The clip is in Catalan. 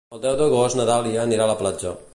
El deu d'agost na Dàlia anirà a la platja.